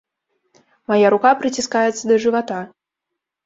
Мая рука прыціскаецца да жывата.